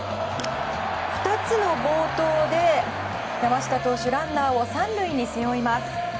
２つの暴投で、山下投手ランナーを３塁に背負います。